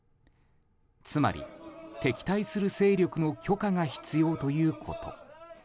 つまり、敵対する勢力の許可が必要ということ。